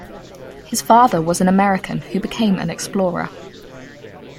His father was an American who became an explorer.